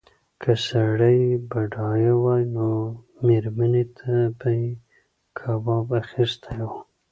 که سړی بډایه وای نو مېرمنې ته به یې کباب اخیستی و.